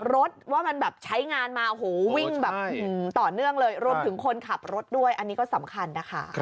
รถว่ามันแบบใช้งานมาโอ้โหวิ่งแบบต่อเนื่องเลยรวมถึงคนขับรถด้วยอันนี้ก็สำคัญนะคะ